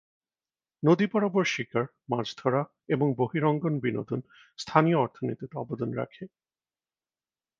নদী বরাবর শিকার, মাছ ধরা এবং বহিরঙ্গন বিনোদন স্থানীয় অর্থনীতিতে অবদান রাখে।